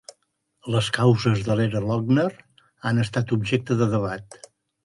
Les causes de l'era "Lochner" han estat objecte de debat.